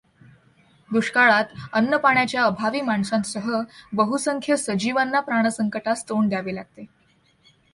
दुष्काळात अन्नपाण्याच्या अभावी माणसांसह बहुसंख्य सजीवांना प्राणसंकटास तोंड द्यावे लागते.